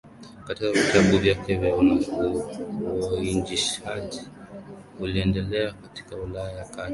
katika vitabu vyake na uinjilishaji uliendelea katika Ulaya ya Kati